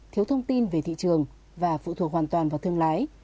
thiếu thông tin về thị trường và phụ thuộc hoàn toàn vào thương lái